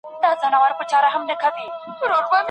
د خپل ځان څخه د باور په اړه پوښتنه وکړئ.